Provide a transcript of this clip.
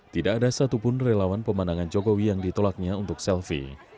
tidak ada satupun relawan pemandangan jokowi yang ditolaknya untuk selfie